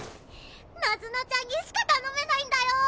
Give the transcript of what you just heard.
ナズナちゃんにしか頼めないんだよぉ！